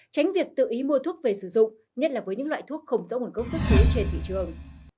tránh việc tự ý mua thuốc về sử dụng nhất là với những loại thuốc không rõ nguồn gốc xuất xứ trên thị trường